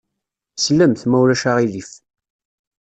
Slemt, ma ulac aɣilif.